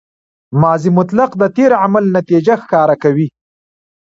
ماضي مطلق د تېر عمل نتیجه ښکاره کوي.